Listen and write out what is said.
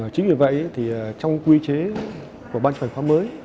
chính vì vậy thì trong quy chế của ban truyền khoá mới